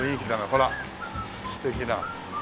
ほら素敵な。